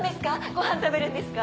ごはん食べるんですか？